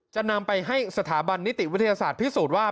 จะนำไปให้สถาบันนิติวิทยาศาสตร์พิสูจน์ว่า